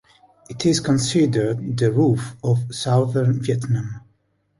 It is considered "the roof of Southern Vietnam".